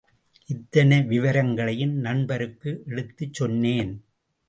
இத்தனை விவரங்களையும் நண்பருக்கு எடுத்துச் சொன்னேன்.